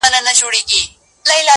زه او ته به څنگه ښکار په شراکت کړو،